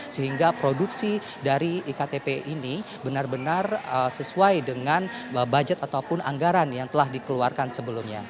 sehingga produksi dari iktp ini benar benar sesuai dengan budget ataupun anggaran yang telah dikeluarkan sebelumnya